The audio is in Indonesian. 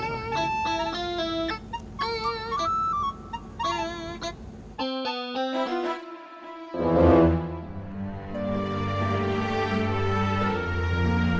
ckn lihat tuh